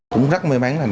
cũng rất là nghiêm trọng